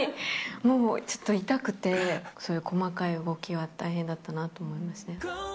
もうちょっと痛くて、そういう細かい動きは大変だったなと思いますね。